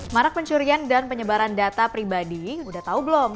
marak pencurian dan penyebaran data pribadi udah tahu belum